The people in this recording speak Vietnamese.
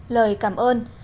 lời cảm ơn